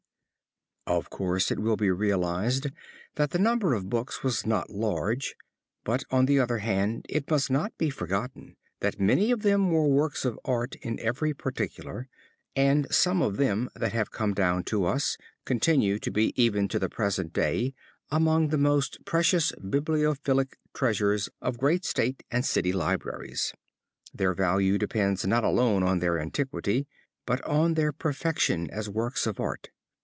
Of course it will be realized that the number of books was not large, but on the other hand it must not be forgotten that many of them were works of art in every particular, and some of them that have come down to us continue to be even to the present day among the most precious bibliophilic treasures of great state and city libraries. Their value depends not alone on their antiquity but on their perfection as works of art.